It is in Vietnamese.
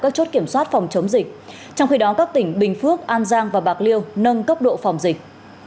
các chốt kiểm soát phòng chống dịch trong khi đó các tỉnh bình phước an giang và bạc liêu nâng cấp độ phòng dịch